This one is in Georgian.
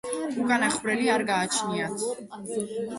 უკანა ხვრელი არ გააჩნიათ.